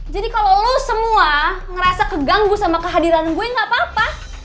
jadi kalau lo semua ngerasa keganggu sama kehadiran gue nggak apa apa